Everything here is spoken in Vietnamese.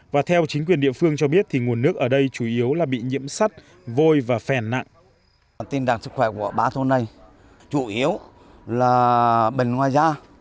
và theo chính quyền địa phương cho biết thì nguồn nước ở đây chủ yếu là bị nhiễm sắt vôi và phèn nặng